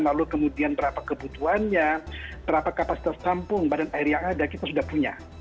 lalu kemudian berapa kebutuhannya berapa kapasitas tampung badan air yang ada kita sudah punya